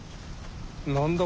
何だ？